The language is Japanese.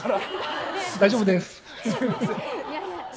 大丈夫です。